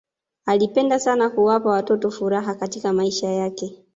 alipenda sana kuwapa watoto furaha katika maisha yake